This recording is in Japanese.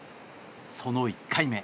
その１回目。